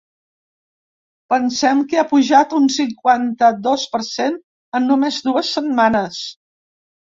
Pensem que ha pujat d’un cinquanta-dos per cent en només dues setmanes!